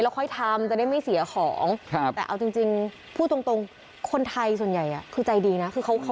ค่อยทำจะได้ไม่เสียของแต่เอาจริงพูดตรงคนไทยส่วนใหญ่คือใจดีนะคือเขา